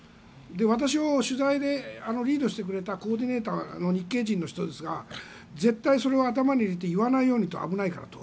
私を取材でリードしてくれたコーディネーター日系人の方ですが絶対にそれを頭に入れて言わないようにと。